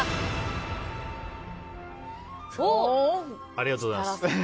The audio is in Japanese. ありがとうございます。